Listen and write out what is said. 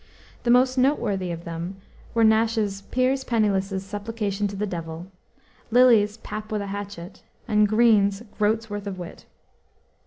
The most noteworthy of them were Nash's Piers Penniless's Supplication to the Devil, Lyly's Pap with a Hatchet, and Greene's Groat's Worth of Wit.